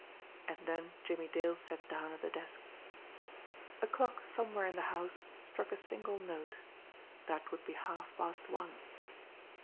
And then Jimmie Dale sat down at the desk. A clock somewhere in the house struck a single note that would be halfpast one.